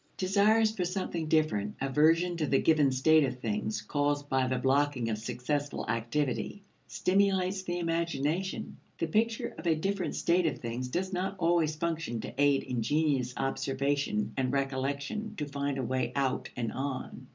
Desires for something different, aversion to the given state of things caused by the blocking of successful activity, stimulates the imagination. The picture of a different state of things does not always function to aid ingenious observation and recollection to find a way out and on.